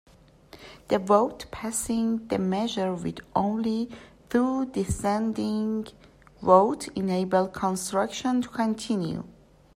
The vote—passing the measure with only two dissenting votes—enabled construction to continue.